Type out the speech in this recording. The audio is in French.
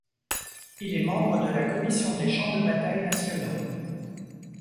Il est membre de la Commission des champs de bataille nationaux.